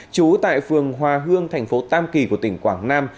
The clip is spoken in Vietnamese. trú tại phường hòa hương tp tam kỳ của tỉnh quảng nam